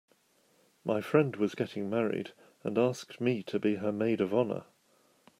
My friend was getting married and asked me to be her maid of honor.